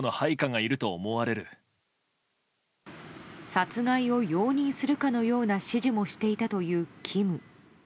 殺害を容認するかのような指示もしていたというＫＩＭ。